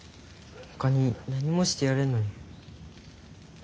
ほかに何もしてやれんのに。